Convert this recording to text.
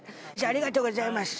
ありがとうございます。